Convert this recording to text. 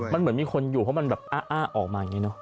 มันเหมือนมีคนอยู่เพราะมันแบบอ้าออกมาอย่างนี้เนอะ